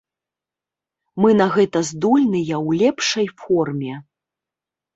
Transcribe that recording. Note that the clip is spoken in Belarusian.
Мы на гэта здольныя ў лепшай форме.